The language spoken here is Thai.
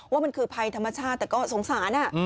ว่ามันคือภัยธรรมชาติแต่ก็สงสาร